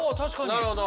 なるほど。